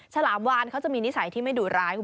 ฉลามวานเขาจะมีนิสัยที่ไม่ดุร้าย